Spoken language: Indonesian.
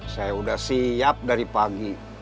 saya sudah siap dari pagi